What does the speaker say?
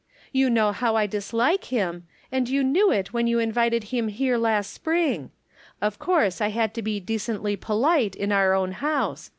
You know how I dislike him ; and you knew it when you invited liim here last spring. Of course I had to be decently polite in our own house.